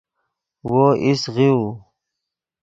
وو ایست غیؤو